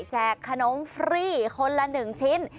แจกขนมฟรีคนละหนึ่งชิ้น